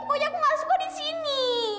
pokoknya aku gak suka disini